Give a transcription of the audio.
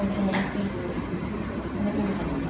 มีความรักความภักดิ์ทุกอย่าง